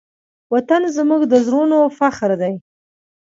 وطن زموږ د زړونو فخر دی.